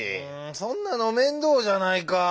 そんなの面倒じゃないかぁ。